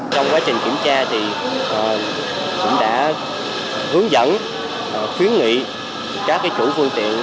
trong quá trình kiểm tra cũng đã hướng dẫn khuyến nghị các chủ phương tiện